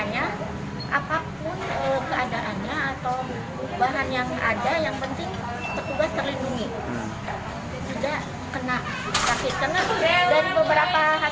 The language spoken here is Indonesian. yang penting petugas terlindungi tidak kena sakit